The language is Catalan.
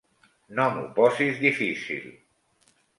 No m'ho posis difícil!